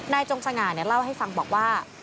นายจงสงะเนี่ยเล่าให้ฟังบอกว่า